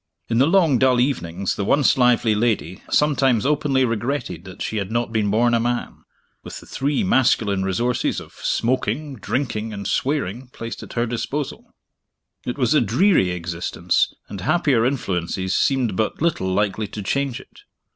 In the long dull evenings, the once lively lady sometimes openly regretted that she had not been born a man with the three masculine resources of smoking, drinking, and swearing placed at her disposal. It was a dreary existence, and happier influences seemed but little likely to change it.